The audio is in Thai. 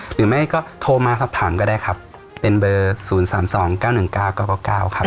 หรือไม่ก็โทรมาสับถามก็ได้ครับเป็นเบอร์ศูนย์สามสองเก้าหนึ่งเก้าเก้าเก้าครับ